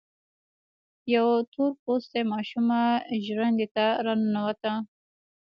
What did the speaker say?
يوه تور پوستې ماشومه ژرندې ته را ننوته.